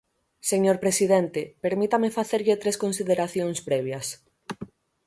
Señor presidente, permítame facerlle tres consideracións previas.